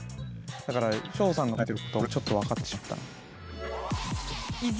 だからしょうさんの考えてることは俺ちょっと分かってしまったな。